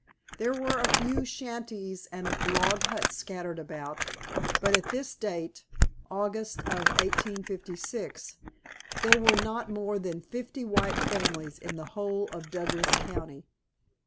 There were a few shanties and log huts scattered about, but at this date, August of 1856, there were not more than fifty white families in the whole of Douglas County.